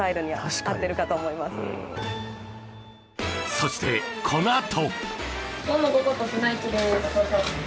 そして、このあと。